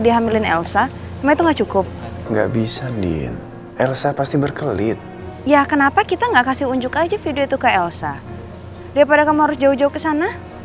dari mana elsa daripada kamu harus jauh jauh ke sana